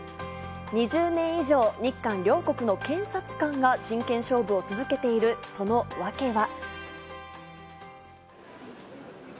２０年以上、日韓両国の検察官が真剣勝負を続けているその訳は。